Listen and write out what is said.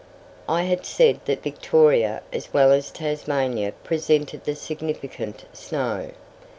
I had said that Victoria as well as Tasmania presented the significant snow.